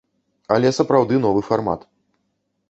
Але сапраўды новы фармат.